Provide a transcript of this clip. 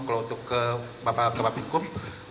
kalau untuk ke bapak kepala hukum